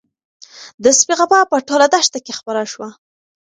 د سپي غپا په ټوله دښته کې خپره شوه.